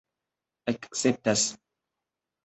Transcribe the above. akceptas